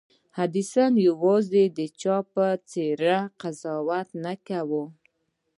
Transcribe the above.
ايډېسن يوازې د چا په څېره قضاوت نه کاوه.